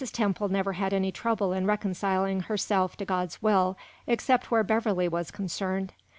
Temple never had any trouble in reconciling herself to God's will, except where Beverley was concerned.